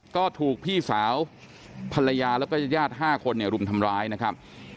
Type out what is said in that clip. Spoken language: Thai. ก็ถูกพี่สาวภรรยาแล้วก็ญาติ๕คนเนี่ยรุมทำร้ายนะครับ